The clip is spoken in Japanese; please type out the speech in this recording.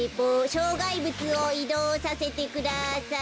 しょうがいぶつをいどうさせてください。